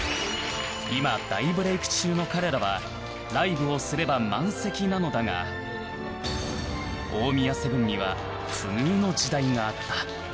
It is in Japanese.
今大ブレイク中の彼らはライブをすれば満席なのだが大宮セブンには不遇の時代があった